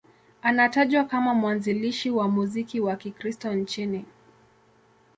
Anatajwa kama mwanzilishi wa muziki wa Kikristo nchini.